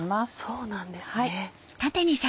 そうなんですね。